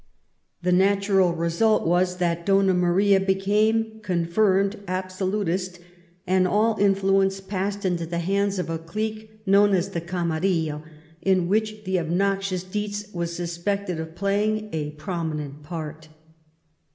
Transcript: The natural result was that Donna Maria became con firmedly absolutist, and all influence passed into the hands of a clique known as the Gamarilla, in which the obnoxious Dietz was suspected of playing a prominent part.